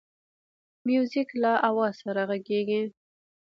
موزیک له آواز سره غږیږي.